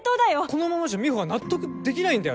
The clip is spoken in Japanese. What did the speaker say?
このままじゃ美帆は納得できないんだよね？